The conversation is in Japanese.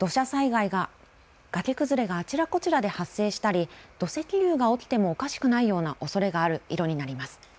崖崩れがあちらこちらで発生したり土石流が起きてもおかしくないようなおそれがある色になります。